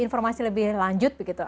informasi lebih lanjut